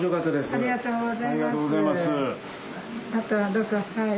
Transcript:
ありがとうございます。